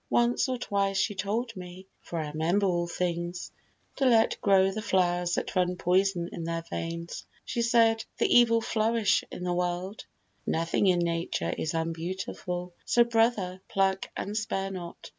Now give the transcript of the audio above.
Once or twice she told me (For I remember all things), to let grow The flowers that run poison in their veins. She said, 'The evil flourish in the world'; Then playfully she gave herself the lie: 'Nothing in nature is unbeautiful, So, brother, pluck and spare not.'